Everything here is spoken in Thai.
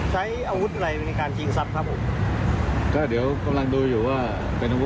คนร้ายก่อเหตุเพียงลำพังใช่ไหมครับ